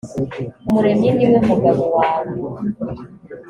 umuremyi ni we mugabo wawe